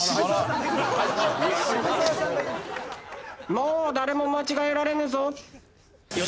もう誰も間違えられぬぞ。